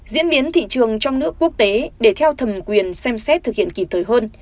diễn biến thị trường trong nước quốc tế để theo thẩm quyền xem xét thực hiện kịp thời hơn